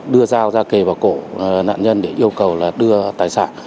đưa dao ra kề vào cổ nạn nhân để yêu cầu là đưa tài sản